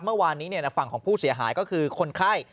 เมื่อวานนี้ฝั่งของผู้เสียหายก็คือคนไข้